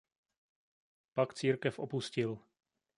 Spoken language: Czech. Pak církev opustil.